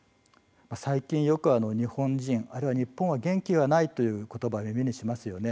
最近よく日本人あるいは日本は元気がないということばを耳にしますよね。